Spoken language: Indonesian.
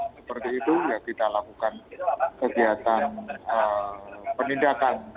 seperti itu ya kita lakukan kegiatan penindakan